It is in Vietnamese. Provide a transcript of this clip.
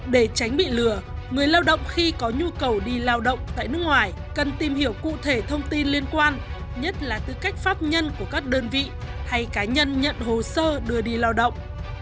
để tránh bị lừa người lao động khi có nhu cầu đi lao động tại nước ngoài cần tìm hiểu cụ thể thông tin liên quan nhất là tư cách pháp nhân của các đơn vị hay cá nhân nhận hồ sơ đưa đi lao động